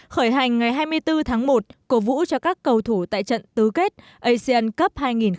khởi hành ngày hai mươi bốn tháng một cổ vũ cho các cầu thủ tại trận tứ kết asean cup hai nghìn một mươi chín